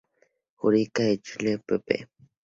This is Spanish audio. Jurídica de Chile, pp.